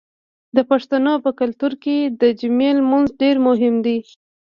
د پښتنو په کلتور کې د جمعې لمونځ ډیر مهم دی.